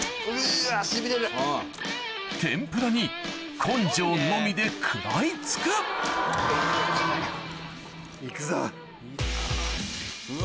天ぷらに根性のみで食らい付くうわ